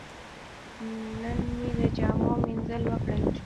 نن مې د جامو مینځل وکړل.